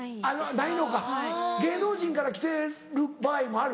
ないのか芸能人から来てる場合もある？